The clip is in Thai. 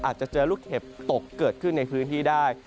อาจจะเจอลูกเห็บตกเกิดขึ้นในพื้นที่ได้